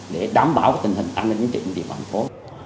để đảm bảo tình hình an ninh dịch dịch vụ thành phố